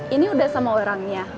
ini udah sama orangnya